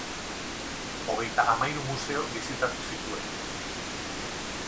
Hogeita hamahiru museo bisitatu zituen.